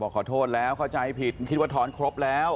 ขอโทษแล้วเข้าใจผิดคิดว่าถอนครบแล้ว